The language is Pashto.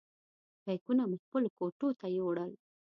بیکونه مو خپلو کوټو ته یوړل.